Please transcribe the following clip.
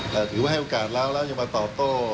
ถือว่าให้โอกาสแล้วแล้วยังมาต่อโต้